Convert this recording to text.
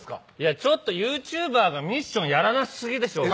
ちょっとユーチューバーがミッションやらなすぎでしょ。